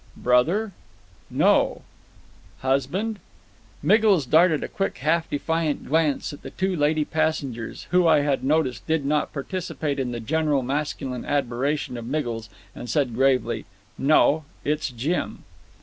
"Brother?" "No." "Husband?" Miggles darted a quick, half defiant glance at the two lady passengers who I had noticed did not participate in the general masculine admiration of Miggles, and said gravely, "No; it's Jim."